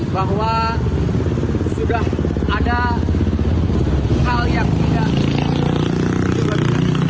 bahwa sudah ada hal yang tidak